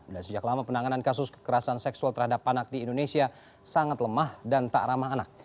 dan sejak lama penanganan kasus kekerasan seksual terhadap anak di indonesia sangat lemah dan tak ramah anak